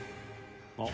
「あっ！」